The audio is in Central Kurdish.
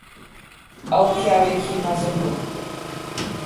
ئەو پیاوێکی مەزن بوو.